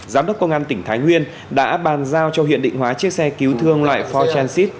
giám đốc công an tỉnh thái nguyên đã bàn giao cho huyện định hóa chiếc xe cứu thương loại pho transit